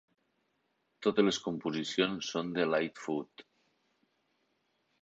Totes les composicions són de Lightfoot.